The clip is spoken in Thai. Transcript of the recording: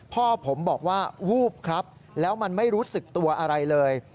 พ่อผมบอกว่าวูบครับแล้วมันไม่รู้สึกตัวอะไรเลย